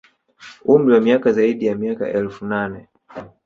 Umri wa miaka zaidi ya miaka elfu nane